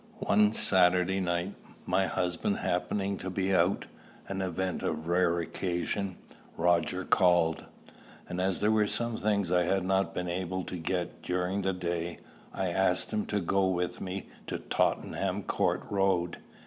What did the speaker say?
One Saturday night, my husband happening to be out, an event of rare occurrence, Roger called; and as there were some things I had not been able to get during the day, I asked him to go with me to Tottenham Court Road.